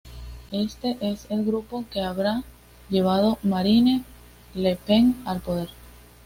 Este es el grupo que habrá llevado Marine Le Pen al poder.